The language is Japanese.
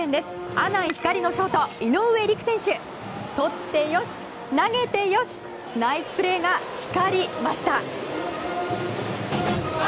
阿南光のショート、井上陸選手とって良し、投げて良しナイスプレーが光りました。